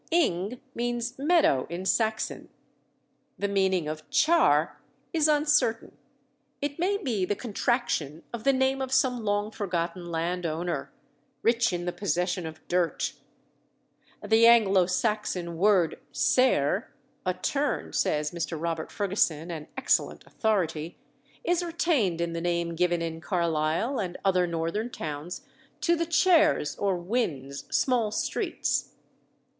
"Ing" means meadow in Saxon. The meaning of "Char" is uncertain; it may be the contraction of the name of some long forgotten landowner, "rich in the possession of dirt." The Anglo Saxon word cerre a turn (says Mr. Robert Ferguson, an excellent authority), is retained in the name given in Carlisle and other northern towns to the chares, or wynds small streets.